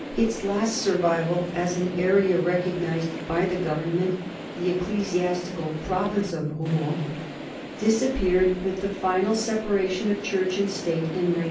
Its last survival as an area recognized by the government, the ecclesiastical province of Rouen, disappeared with the final separation of church and state in 1905.